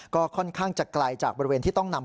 ก็ค่อนข้างจะไกลจากบริเวณที่ต้องนำ